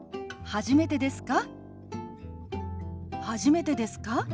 初めてですか？